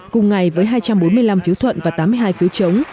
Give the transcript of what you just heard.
cùng ngày với hai trăm bốn mươi năm phiếu thuận và tám mươi hai phiếu chống